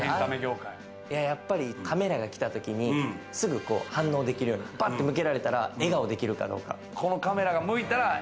やっぱりカメラが来たときに、すぐ反応できるように、ぱっと向けられたら笑顔できるかどうか。